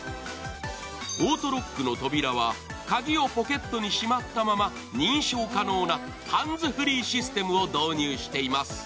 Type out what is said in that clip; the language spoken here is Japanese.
オートロックの扉は鍵をポケットにしまったまま認証可能なハンズフリーシステムを導入しています。